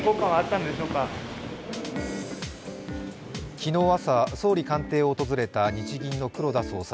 昨日朝、総理官邸を訪れた日銀の黒田総裁。